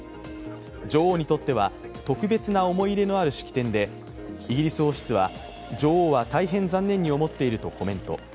女王にとっては特別な思い入れのある式典でイギリス王室は女王は大変残念に思っているとコメント。